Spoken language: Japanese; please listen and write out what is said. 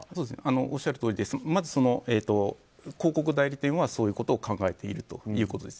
おっしゃるとおりでまず広告代理店はそういうことを考えているということです。